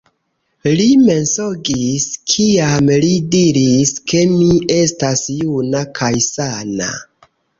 Li mensogis, kiam li diris, ke mi estas juna kaj sana!